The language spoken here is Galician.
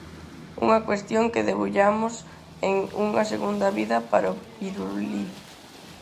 Unha cuestión que debullamos en 'Unha segunda vida para o Pirulí'.